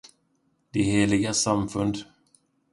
de heligas samfund